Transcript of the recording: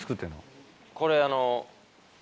これあの。